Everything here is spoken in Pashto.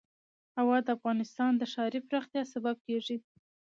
هوا د افغانستان د ښاري پراختیا سبب کېږي.